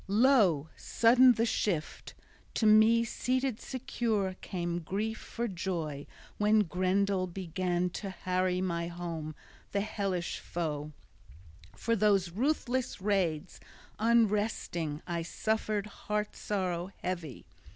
Lo, sudden the shift! To me seated secure came grief for joy when Grendel began to harry my home, the hellish foe; for those ruthless raids, unresting I suffered heart sorrow heavy.